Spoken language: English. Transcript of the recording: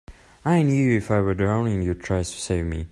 I knew if I were drowning you'd try to save me.